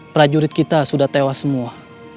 prajurit kita sudah tewas semua